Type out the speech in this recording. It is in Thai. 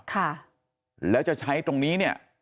ค่ะแล้วจะใช้ตรงนี้เนี่ย